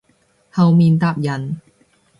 後面搭人